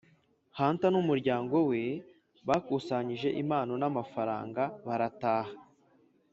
hunter n'umuryango we bakusanyije impano n'amafaranga barataha.